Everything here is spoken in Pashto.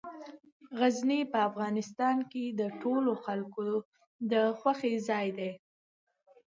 غزني په افغانستان کې د ټولو خلکو د خوښې ځای دی.